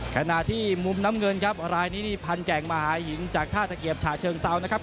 ขณะที่มุมน้ำเงินครับรายนี้นี่พันแก่งมหาหินจากท่าตะเกียบฉะเชิงเซานะครับ